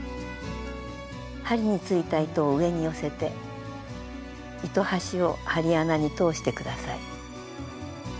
針についた糸を上に寄せて糸端を針穴に通して下さい。